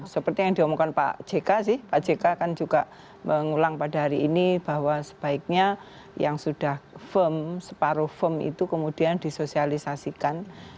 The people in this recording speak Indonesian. seperti yang diomongkan pak jk sih pak jk kan juga mengulang pada hari ini bahwa sebaiknya yang sudah firm separuh firm itu kemudian disosialisasikan